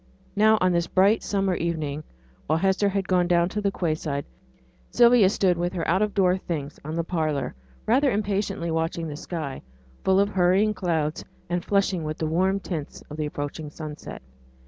Now, on this bright summer evening, while Hester had gone down to the quay side, Sylvia stood with her out of door things on in the parlour, rather impatiently watching the sky, full of hurrying clouds, and flushing with the warm tints of the approaching sunset.